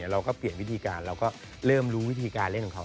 เราก็เปลี่ยนวิธีการเราก็เริ่มรู้วิธีการเล่นของเขา